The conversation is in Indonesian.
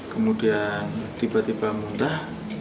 kemudian tiba tiba muntah